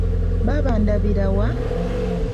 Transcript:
Baaba ndabira wa?